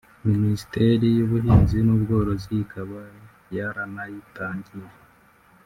Minisiteri y’Ubuhinzi n’Ubworozi ikaba yaranayitangiye